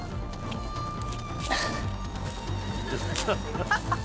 ハハハハ！